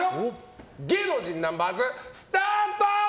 芸能人ナンバーズ、スタート！